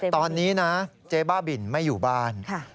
ตอนนี้นะเจ๊บ้าบินไม่อยู่บ้าน